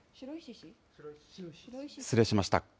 失礼しました。